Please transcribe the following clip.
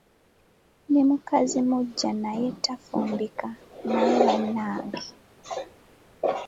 Ne mukazi muggya naye tafumbika naye bannange!